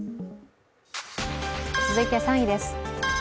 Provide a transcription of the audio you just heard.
続いて３位です。